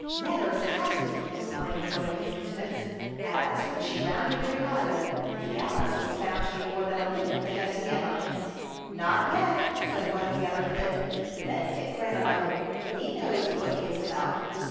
"Nevers has it!" exclaimed one of his intimates, as, when she rounded Green Island, the Alice was found to be more than a length ahead of the Emma. "Not yet," said one of the other clique. "Let Dick Grant alone. He knows what he is about.